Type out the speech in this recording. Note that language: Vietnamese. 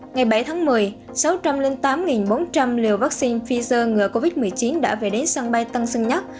ngày bảy tháng một mươi sáu trăm linh tám bốn trăm linh liều vắc xin pfizer ngừa covid một mươi chín đã về đến sân bay tân sơn nhắc